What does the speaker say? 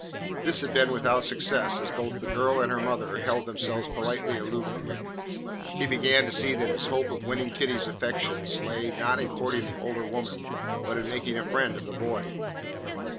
This had been without success, as both the girl and her mother held themselves politely aloof from him. He began to see that his hope of winning Kitty's affections lay, not in courting the older woman but in making a friend of the boy.